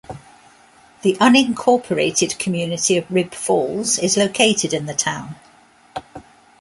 The unincorporated community of Rib Falls is located in the town.